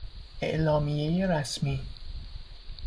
اعلامیهی رسمی